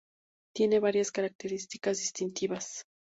Tiene varias características distintivas.